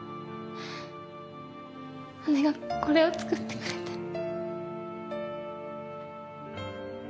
姉がこれを作ってくれて。